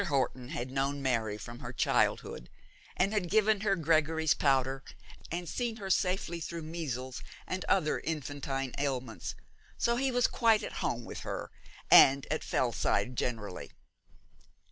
Horton had known Mary from her childhood, had given her Gregory's powder, and seen her safely through measles and other infantine ailments, so he was quite at home with her, and at Fellside generally.